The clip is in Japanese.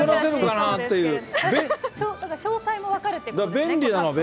なんか詳細も分かるってことですね。